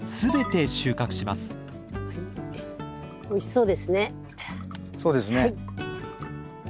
そうですね。